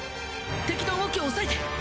敵の動きを抑えて！